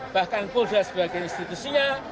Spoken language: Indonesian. bahkan polda sebagai institusinya